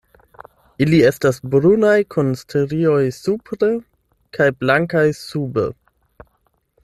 Ili estas brunaj kun strioj supre kaj blankaj sube.